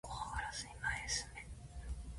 怖がらずに前へ進め